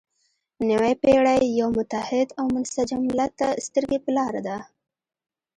نوې پېړۍ یو متحد او منسجم ملت ته سترګې په لاره ده.